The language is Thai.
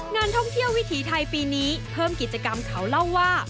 งานท่องเที่ยววิถีไทยปีนี้เพิ่มกิจกรรมเขาเล่าว่า